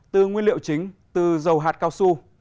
từ nguyên liệu chính từ dầu hạt cao su